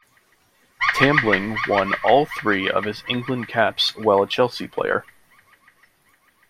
Tambling won all three of his England caps while a Chelsea player.